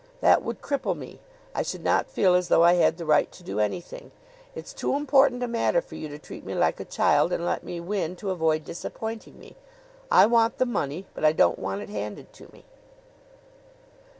That would cripple me. I should not feel as though I had the right to do anything. It's too important a matter for you to treat me like a child and let me win to avoid disappointing me. I want the money; but I don't want it handed to me."